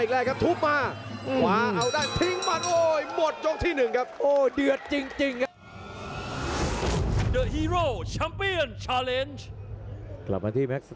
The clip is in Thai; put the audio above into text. กลับมาที่แมรคส์สเตรียมประเทศไทยกันอีกครั้งครับ